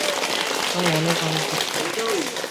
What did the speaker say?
আমি অনেক অনেক দুঃখিত।